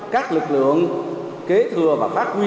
các lực lượng kế thừa và phát huy quyền